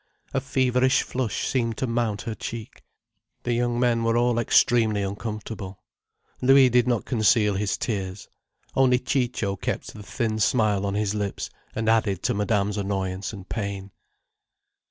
A feverish flush seemed to mount her cheek. The young men were all extremely uncomfortable. Louis did not conceal his tears. Only Ciccio kept the thin smile on his lips, and added to Madame's annoyance and pain.